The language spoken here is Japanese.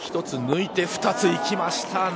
１つ抜いて２ついきました。